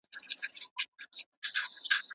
له ژرندي زه راځم، د مزد حال ئې ته لرې.